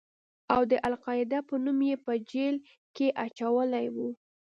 او د القاعده په نوم يې په جېل کښې اچولى و.